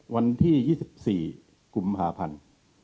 วันที่๒๔กุมภาพันธ์